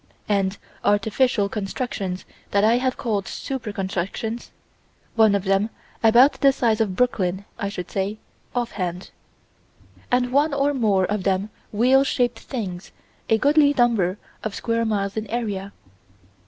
And artificial constructions that I have called "super constructions": one of them about the size of Brooklyn, I should say, offhand. And one or more of them wheel shaped things a goodly number of square miles in area.